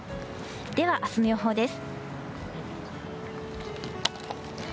では、明日の予報です。